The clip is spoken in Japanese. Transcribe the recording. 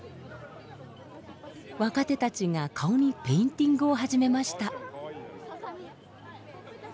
若手たちが顔にペインティングを始めました。